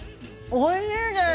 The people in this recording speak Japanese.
おいしいです！